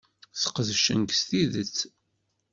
Sqedcen-k s tidet.